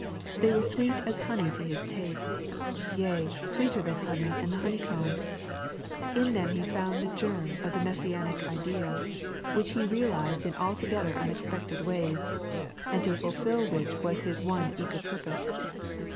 They were sweet as honey to His taste, " yea, sweeter than honey and the honey comb." In them He found the germ of the Messianic ideal, which He realized in altogether unexpected ways, and to fulfil which was His one eager purpose.